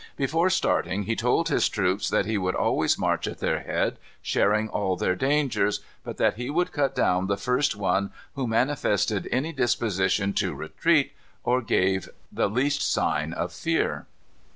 Before starting he told his troops that he would always march at their head, sharing all their dangers; but that he would cut down the first one who manifested any disposition to retreat or gave the least sign of fear.